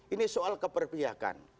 ini soal keperbiakan